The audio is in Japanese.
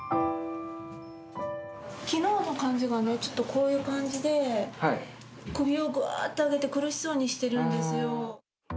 きのうの感じがね、ちょっと、こういう感じで、首をぐあーっと上げて、苦しそうにしてるんですよ。